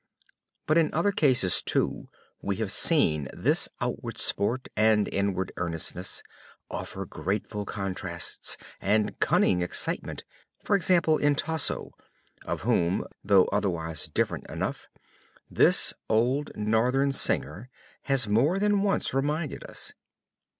But in other cases too, we have seen this outward sport and inward earnestness offer grateful contrasts, and cunning excitement; for example, in Tasso; of whom, though otherwise different enough, this old Northern Singer has more than once reminded us.